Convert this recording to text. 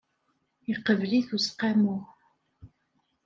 Iqbel-it useqqamu.